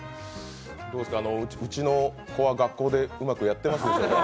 どうでしょう、うちの子は学校でうまくやってますでしょうか。